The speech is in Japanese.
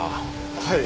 はい。